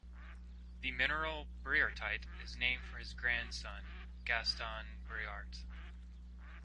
The mineral Briartite is named for his grandson, Gaston Briart.